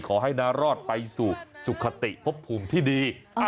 ขอให้น้ารอดไปสู่สุขติพบภูมิที่ดี